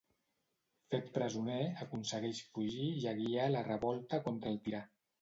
Fet presoner, aconsegueix fugir i a guiar la revolta contra el tirà.